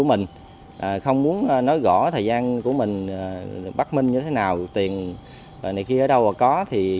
về thời gian không muốn nói rõ thời gian của mình bất minh như thế nào tiền này kia ở đâu mà có thì